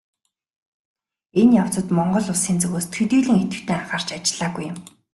Энэ явцад Монгол Улсын зүгээс төдийлөн идэвхтэй анхаарч ажиллаагүй юм.